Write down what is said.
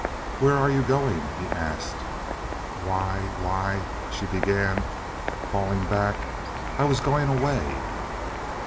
"Where are you going?" he asked. "Why—why—" she began, falling back. "I was going away."